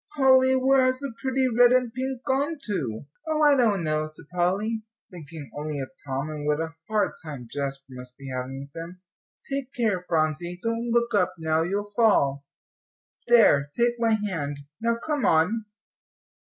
"Polly, where has the pretty red and pink gone to?" "Oh, I don't know," said Polly, thinking only of Tom, and what a hard time Jasper must be having with him. "Take care, Phronsie, don't look up now you'll fall! There, take my hand; now come on."